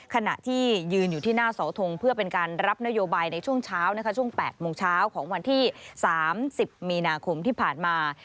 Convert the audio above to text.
ขณะที่ยืนอยู่ที่หน้าเสาทงเพื่อเป็นการรับนโยบายในช่วงเช้านะคะช่วง๘โมงเช้าของวันที่๓๐มีนาคมที่ผ่านมา